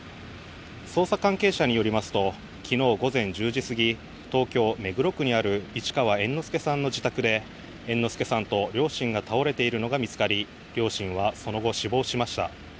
捜査関係者によりますと昨日午前１０時過ぎ東京・目黒区にある市川猿之助さんの自宅で猿之助さんと両親が倒れているのが見つかり両親はその後、死亡しました。